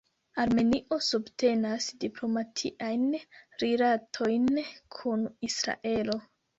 Armenio subtenas diplomatiajn rilatojn kun Israelo.